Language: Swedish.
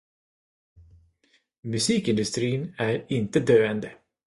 Musikindustrin är inte döende.